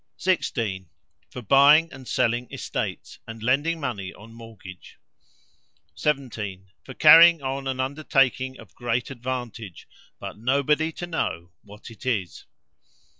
16. For buying and selling estates, and lending money on mortgage. 17. For carrying on an undertaking of great advantage; but nobody to know what it is.